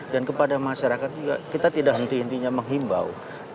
dan kepada masyarakat juga kita tidak intinya menghimbau